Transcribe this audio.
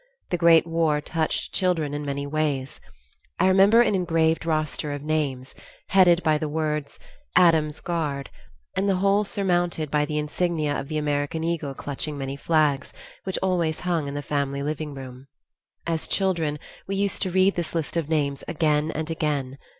The great war touched children in many ways: I remember an engraved roster of names, headed by the words "Addams' Guard," and the whole surmounted by the insignia of the American eagle clutching many flags, which always hung in the family living room. As children we used to read this list of names again and again.